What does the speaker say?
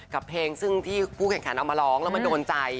กับเพลงซึ่งที่ผู้แข่งขันเอามาร้องแล้วมันโดนใจ